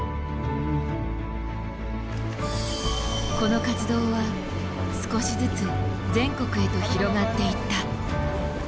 この活動は少しずつ全国へと広がっていった。